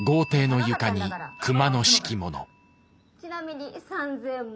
「ちなみに３，０００万」。